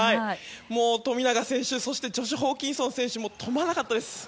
富永選手ジョシュ・ホーキンソン選手も止まらなかったです。